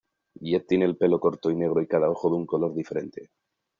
Jet tiene pelo corto y negro y cada ojo de un color diferente.